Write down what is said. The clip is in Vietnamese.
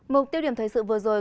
mục tiêu điểm thời sự vừa rồi